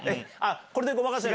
これでごまかせる？